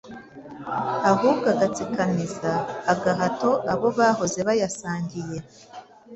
ahubwo agatsikamiza agahato abo bahoze bayasangiye;